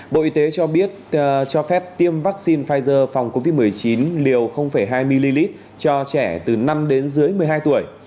bộ y tế cho biết cho phép tiêm vaccine phòng covid một mươi chín liều hai ml cho trẻ từ năm đến dưới một mươi hai tuổi